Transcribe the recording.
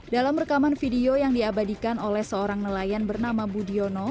dalam rekaman video yang diabadikan oleh seorang nelayan bernama budiono